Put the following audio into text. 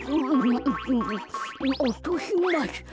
おとします。